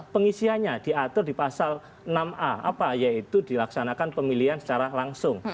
pengisiannya diatur di pasal enam a yaitu dilaksanakan pemilihan secara langsung